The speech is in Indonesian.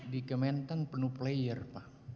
di kementan penuh player pak